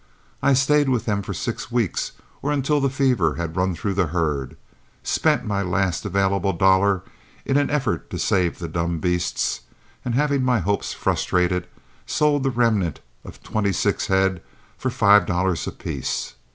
I stayed with them for six weeks, or until the fever had run through the herd, spent my last available dollar in an effort to save the dumb beasts, and, having my hopes frustrated, sold the remnant of twenty six head for five dollars apiece.